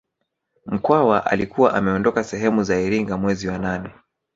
Mkwawa alikuwa ameondoka sehemu za Iringa mwezi wa nane